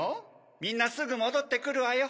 みんなすぐもどってくるわよ。